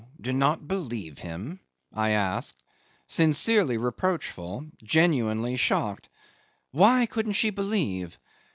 do not believe him?" I asked, sincerely reproachful, genuinely shocked. Why couldn't she believe?